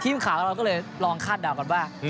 ข่าวเราก็เลยลองคาดเดากันว่า